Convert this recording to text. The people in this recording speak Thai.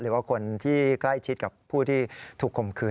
หรือว่าคนที่ใกล้ชิดกับผู้ที่ถูกคมคืน